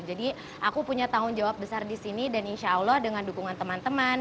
jadi aku punya tanggung jawab besar di sini dan insya allah dengan dukungan teman teman